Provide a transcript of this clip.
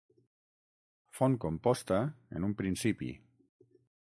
Fon composta, en un principi.